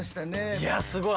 いやすごい。